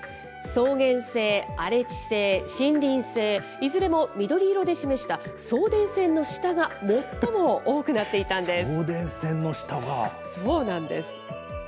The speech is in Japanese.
草原性、荒地性、森林性、いずれも緑色で示した送電線の下が最も多くなっていたんです。